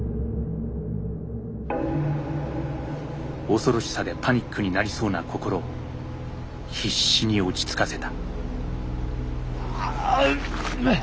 恐ろしさでパニックになりそうな心を必死に落ち着かせた。